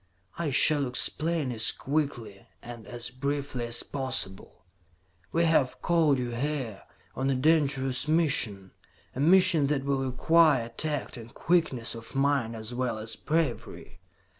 "I shall explain as quickly and as briefly as possible. "We have called you here on a dangerous mission. A mission that will require tact and quickness of mind as well as bravery.